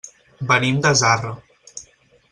Venim de Zarra.